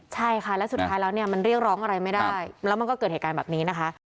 ใช่ค่ะแล้วสุดท้ายแล้วเนี่ยมันเรียกร้องอะไรไม่ได้แล้วมันก็เกิดเหตุการณ์แบบนี้นะคะ